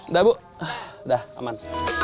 udah bu udah aman